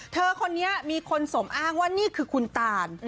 เธอคนนี้มีคนสมอ้างว่านี่คือคุณตาน